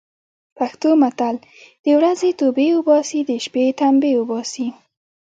پښتو متل: د ورځې توبې اوباسي، د شپې تمبې اوباسي.